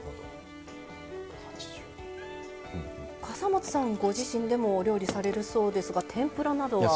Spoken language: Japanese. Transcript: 笠松さんご自身でもお料理されるそうですが天ぷらなどは。